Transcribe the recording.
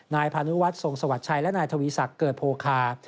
นายพานุวัฒน์ทรงสวัสชัยและนายทวีศักดิ์เกิดโพลคาร์